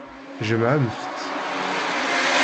Jemɛemt-tt.